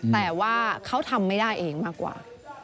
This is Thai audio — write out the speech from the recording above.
แต่ว่าเขาทำไม่ได้เองมากกว่า